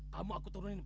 kamu akan diturunkan